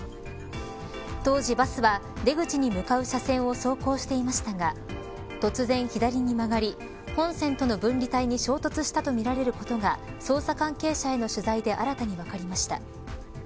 当時バスは出口に向かう車線を走行していましたが突然、左に曲がり本線との分離帯に衝突したとみられることが捜査関係者への取材で新たに分かりました。